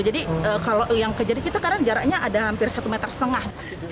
jadi kalau yang kejar kita karena jaraknya ada hampir satu meter setengah